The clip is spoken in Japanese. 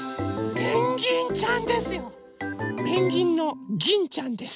ペンギンのギンちゃんです。